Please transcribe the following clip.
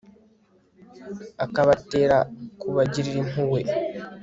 akabatera kubagirira impuhwe